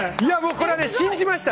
これは信じました